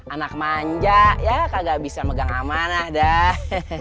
anak manja ya kagak bisa megang amanah dah